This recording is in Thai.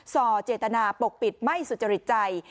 ส่อเจตนาปกปิดไม่สุจริตใจ